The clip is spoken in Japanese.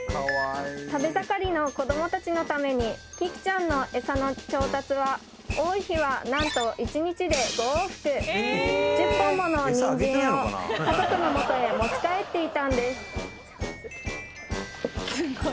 食べ盛りの子供たちのためにキキちゃんのエサの調達は多い日は何と１０本ものニンジンを家族のもとへ持ち帰っていたんです